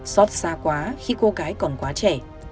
xót xa quá khi cô gái còn quá trẻ